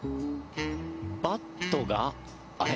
バットがあれ？